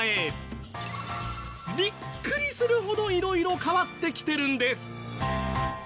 ビックリするほど色々変わってきてるんです。